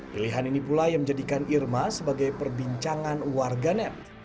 pilihan ini pula yang menjadikan irma sebagai perbincangan warganet